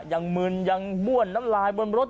มึนยังบ้วนน้ำลายบนรถ